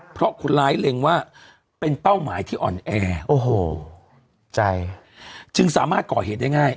เพราะคนร้ายเล็งว่าเป็นเป้าหมายที่อ่อนแอโอ้โหใจจึงสามารถก่อเหตุได้ง่าย